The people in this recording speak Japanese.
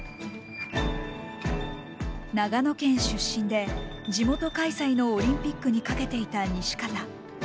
長野県出身で地元開催のオリンピックにかけていた西方。